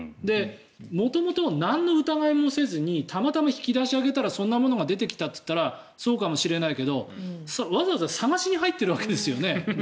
元々、なんの疑いもせずにたまたま引き出しを開けたらそんなものが出てきたといったらそうかもしれないけどわざわざ探しに入っているわけですよね。